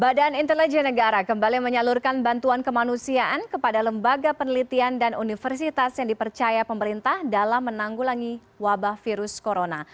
badan intelijen negara kembali menyalurkan bantuan kemanusiaan kepada lembaga penelitian dan universitas yang dipercaya pemerintah dalam menanggulangi wabah virus corona